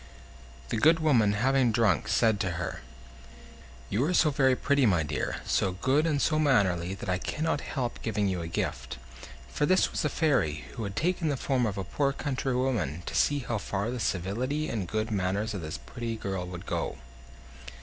The good woman, having drunk, said to her: "You are so very pretty, my dear, so good and so mannerly, that I cannot help giving you a gift." For this was a fairy, who had taken the form of a poor country woman, to see how far the civility and good manners of this pretty girl would go.